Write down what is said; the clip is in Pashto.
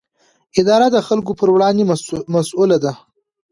اداره د خلکو پر وړاندې مسووله ده.